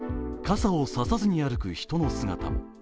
通りには傘を差さずに歩く人の姿も。